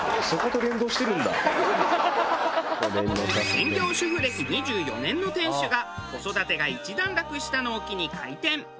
専業主婦歴２４年の店主が子育てが一段落したのを機に開店。